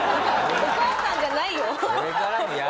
お母さんじゃない。